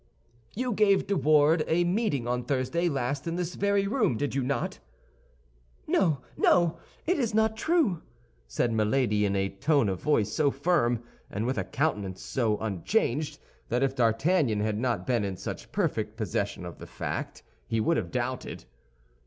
"You gave De Wardes a meeting on Thursday last in this very room, did you not?" "No, no! It is not true," said Milady, in a tone of voice so firm, and with a countenance so unchanged, that if D'Artagnan had not been in such perfect possession of the fact, he would have doubted.